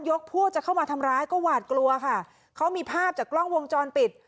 พวกจะเข้ามาทำร้ายก็หวาดกลัวค่ะเขามีภาพจากกล้องวงจรปิด